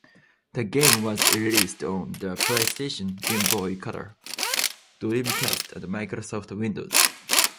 The game was released on the PlayStation, Game Boy Color, Dreamcast and Microsoft Windows.